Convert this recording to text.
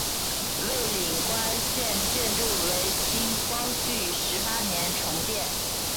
蔚岭关现建筑为清光绪十八年重建。